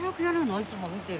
いつも見てる。